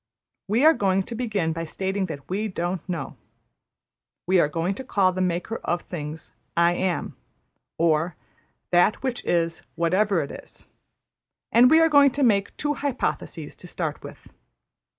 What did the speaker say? We are going to begin by stating that we don't know. We are going to call the Maker of things `I Am,' or `That which is, whatever it is'; and we are going to make two hypotheses to start with.